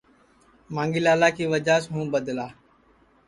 مانگھی لالا کی وجہ سے ہوں بدلا